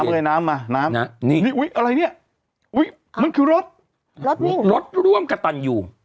น้ำเลยน้ำมาน้ำนี่อุ๊ยอะไรเนี้ยอุ๊ยมันคือรถรถรถร่วมกับตันอยู่